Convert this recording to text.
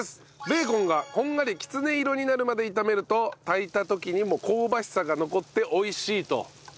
ベーコンがこんがりきつね色になるまで炒めると炊いた時にも香ばしさが残って美味しいという事ですね。